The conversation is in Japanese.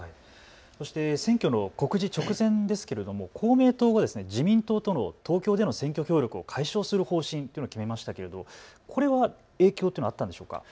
そして選挙の告示直前ですけれども公明党が自民党との東京での選挙協力を解消する方針というのを決めましたがこれは影響というのはあったんでしょうか。